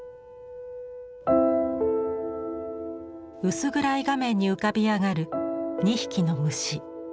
薄暗い画面に浮かび上がる２匹の虫。